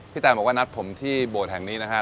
แตนบอกว่านัดผมที่โบสถ์แห่งนี้นะครับ